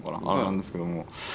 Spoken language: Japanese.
あれなんですけども。